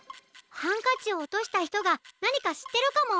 ハンカチをおとしたひとがなにかしってるかも。